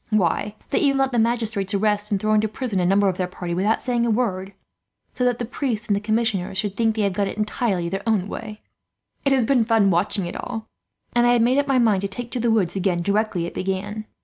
Why, they even let the magistrates arrest and throw into prison a number of their party, without saying a word, so that the priests and the commissioners should think they have got it entirely their own way. It has been fun watching it all, and I had made up my mind to take to the woods again, directly it began.